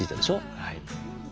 はい。